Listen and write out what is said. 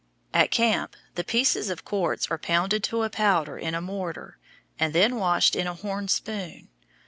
At camp, the pieces of quartz are pounded to a powder in a mortar and then washed in a horn spoon.